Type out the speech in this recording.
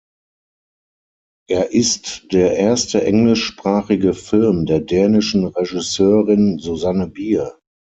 Er ist der erste englischsprachige Film der dänischen Regisseurin Susanne Bier.